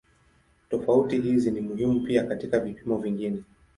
Tofauti hizi ni muhimu pia katika vipimo vingine.